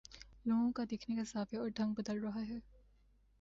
لوگوں کا دیکھنے کا زاویہ اور ڈھنگ بدل رہا ہے